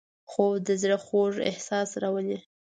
خوب د زړه خوږ احساس راولي